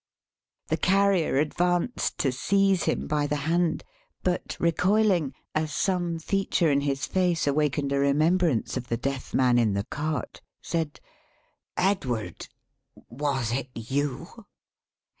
The Carrier advanced to seize him by the hand; but recoiling, as some feature in his face awakened a remembrance of the Deaf Man in the Cart, said: "Edward! Was it you?"